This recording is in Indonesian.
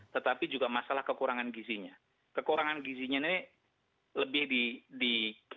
tetapi juga masalah kekurangan gizinya kekurangan gizinya ini lebih di